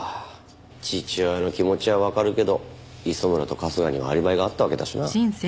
父親の気持ちはわかるけど磯村と春日にはアリバイがあったわけだしな。